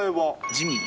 ジミー。